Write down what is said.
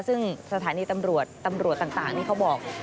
ซึ่งสถานีตำรวจตำรวจต่างนี่เขาบอก